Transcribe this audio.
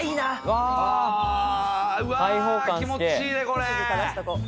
気持ちいいね、これ！